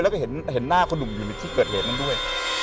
แล้วก็เห็นหน้าพ่อหนุ่มอยู่ในที่เกิดเหตุนั้นด้วย